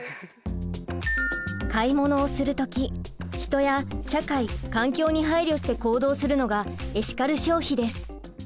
買い物をする時人や社会環境に配慮して行動するのがエシカル消費です。